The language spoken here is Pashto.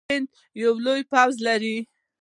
هند یو لوی پوځ لري.